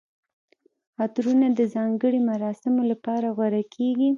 عطرونه د ځانګړي مراسمو لپاره غوره کیږي.